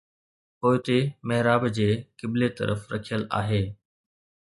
پوئتي محراب جي قبلي طرف رکيل آهي